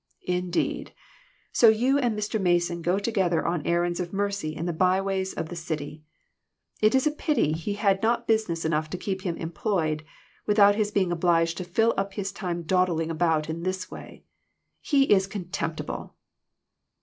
" Indeed ! So you and Mr. Mason go together on errands of mercy in the byways of the city! It is a pity he had not business enough to keep him employed, without his being obliged to fill up his time dawdling about in this way. He is contemptible